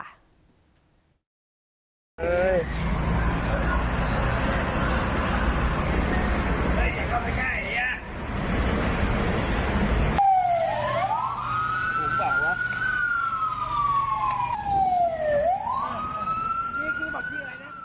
เฮ้ยอย่าเข้าไปใกล้ไอ่อ่ะ